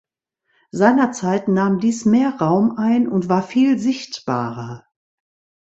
Seinerzeit nahm dies mehr Raum ein und war viel sichtbarer.